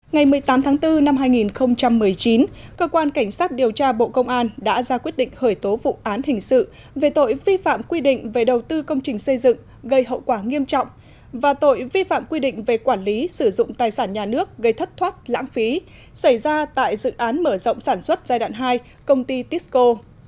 ngày một mươi tám tháng bốn năm hai nghìn một mươi chín cơ quan cảnh sát điều tra bộ công an đã ra quyết định hởi tố vụ án hình sự về tội vi phạm quy định về đầu tư công trình xây dựng gây hậu quả nghiêm trọng và tội vi phạm quy định về quản lý sử dụng tài sản nhà nước gây thất thoát lãng phí xảy ra tại dự án mở rộng sản xuất giai đoạn hai công ty tisco